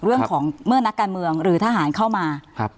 เรื่องของเมื่อนักการเมืองหรือทหารเข้ามาครับ